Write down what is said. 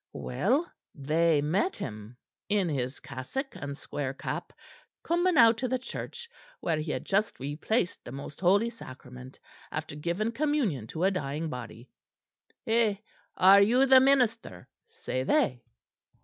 Well, they met him, in his cassock and square cap, coming out of the church, where he had just replaced the Most Holy Sacrament after giving communion to a dying body. 'Heh! are you the minister?' say they.